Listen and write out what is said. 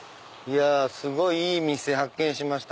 すごいいい店発見しました。